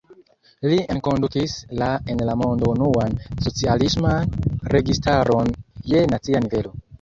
Li enkondukis la en la mondo unuan socialisman registaron je nacia nivelo.